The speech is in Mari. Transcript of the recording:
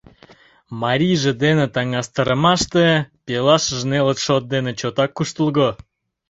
Марийже дене таҥастарымаште, пелашыже нелыт шот дене чотак куштылго.